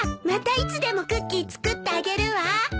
またいつでもクッキー作ってあげるわ。